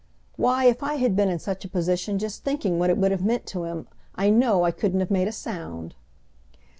Why, if I had been in such a position just thinking what it would have meant to him, I know I couldn't have made a sound!"